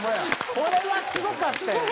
これはすごかったよね。